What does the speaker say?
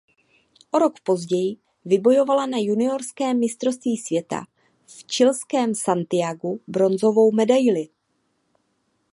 O rok později vybojovala na juniorském mistrovství světa v chilském Santiagu bronzovou medaili.